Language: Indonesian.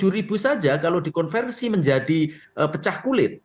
rp tujuh saja kalau dikonversi menjadi pecah kulit